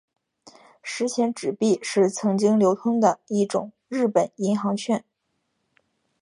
十钱纸币是曾经流通的一种日本银行券。